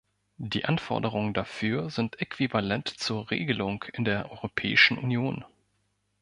Die Anforderungen dafür sind äquivalent zur Regelung in der Europäischen Union.